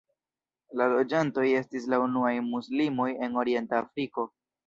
La loĝantoj estis la unuaj muslimoj en orienta Afriko.